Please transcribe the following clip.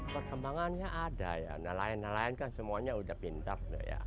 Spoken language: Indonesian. perkembangannya ada ya nelayan nelayan kan semuanya sudah pindah